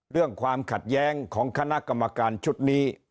เรื่องความขัดแย้งของคณะกรรมการชุดนี้